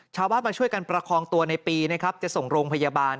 ชาวบ้านมาช่วยกันประคองตัวในปีนะครับจะส่งโรงพยาบาล